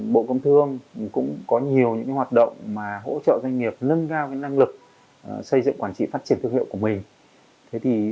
bộ công thương cũng có nhiều những hoạt động hỗ trợ doanh nghiệp nâng cao năng lực xây dựng quản trị phát triển thương hiệu của mình